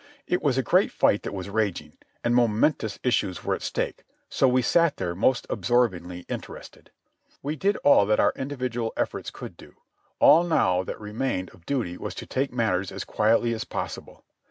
It was a great fight that was raging, and momentous issues were at stake, so we sat there most absorb ingly interested. We did all that our individual efforts could do; all now that remained of duty was to take matters as quietly as possible.